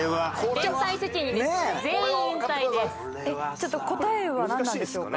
ちょっと答えはなんなんでしょうか？